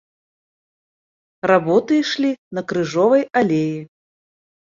Работы ішлі на крыжовай алеі.